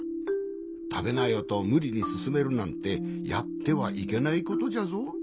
「たべなよ」とむりにすすめるなんてやってはいけないことじゃぞ。